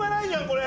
これ。